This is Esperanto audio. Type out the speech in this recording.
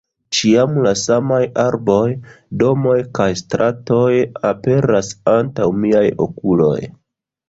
Ĉiam la samaj arboj, domoj kaj stratoj aperas antaŭ miaj okuloj.